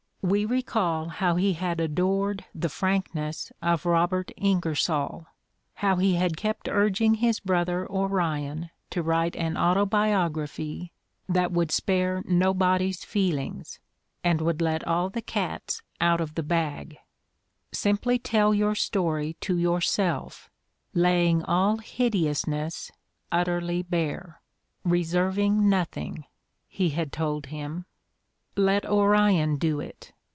We recall how he had adored the frankness of Robert IngersoU, how he had kept urging his brother Orion to write an autobiography that would spare nobody's feelings and would let all the cats out of the bag :'' Simply tell your story to yourself, laying all hideousness utterly bare, reserving nothing, '' he had told him. Let Orion do it